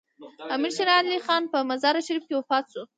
امیر شیر علي خان په مزار شریف کې وفات شو.